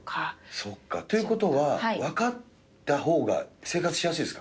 そうか、ということは、分かったほうが生活しやすいですか。